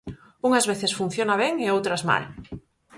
Unhas veces funciona ben e outras mal.